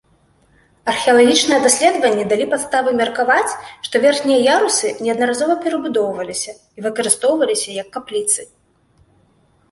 Археалагічныя даследаванні далі падставы меркаваць, што верхнія ярусы неаднаразова перабудоўваліся і выкарыстоўваліся як капліцы.